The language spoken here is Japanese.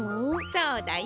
そうだよ。